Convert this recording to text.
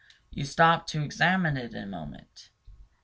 You stop to examine it a moment.